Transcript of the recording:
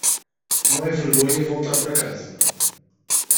Não é vergonha voltar para casa.